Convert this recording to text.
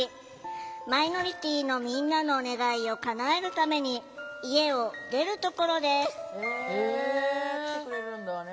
マイノリティーのみんなの願いをかなえるために家を出るところです。